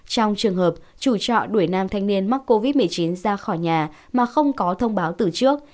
trong trường hợp chủ trọ đuổi nam thanh niên mắc covid một mươi chín ra khỏi nhà mà không có thông báo từ trước